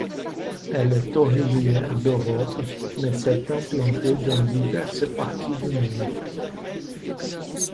Elle est originaire d'Europe, mais s'est implantée dans diverses parties du monde.